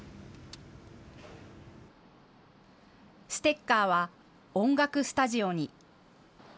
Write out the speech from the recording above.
ステッカーは音楽スタジオに。